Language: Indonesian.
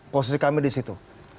posisi kami di situ